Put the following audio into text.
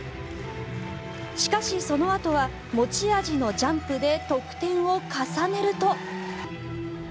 しかし、そのあとは持ち味のジャンプで得点を重ねると。